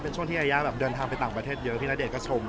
เป็นช่วงที่ยายาแบบเดินทางไปต่างประเทศเยอะพี่ณเดชนก็ชม